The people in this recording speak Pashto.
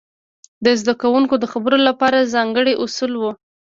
د زده کوونکو د خبرو لپاره ځانګړي اصول وو.